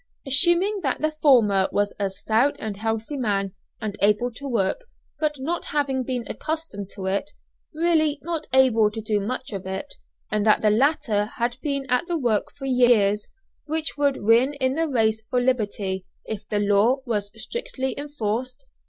Assuming that the former was a stout and healthy man, and able to work, but not having been accustomed to it, really not able to do much of it, and that the latter had been at the work for years which would win in the race for liberty, if the law was strictly enforced?